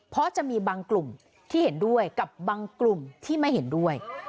เพราะจะมีบางกลุ่มที่เห็นด้วยกับบางกลุ่มที่ไม่เห็นด้วย